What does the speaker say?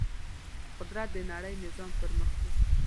قدرت د نړۍ نظام پر مخ وړي.